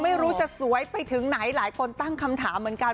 ไม่รู้จะสวยไปถึงไหนหลายคนตั้งคำถามเหมือนกัน